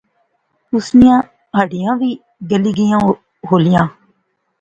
اس نیاں ہڈیاں وی گلی گئیاں ہولیاں